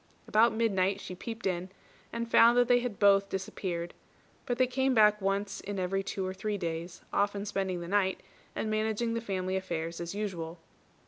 About midnight she peeped in, and found that they had both disappeared; but they came back once in every two or three days, often spending the night, and managing the family affairs as usual.